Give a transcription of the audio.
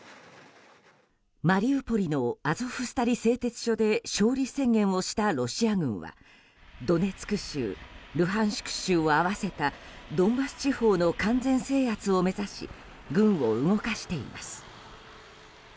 マリウポリのアゾフスタリ製鉄所で勝利宣言をしたロシア軍はドネツク州、ルハンシク州を合わせたドンバス地方の完全制圧を目指し軍を動かしています。